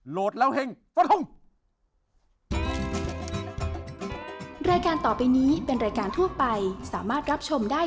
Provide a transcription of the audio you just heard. โหลดแล้วเฮ่งสวัสดีครับ